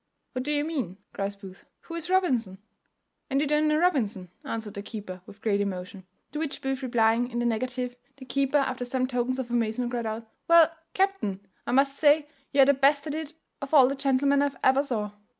"What do you mean?" cries Booth; "who is Robinson?" "And you don't know Robinson?" answered the keeper with great emotion. To which Booth replying in the negative, the keeper, after some tokens of amazement, cried out, "Well, captain, I must say you are the best at it of all the gentlemen I ever saw.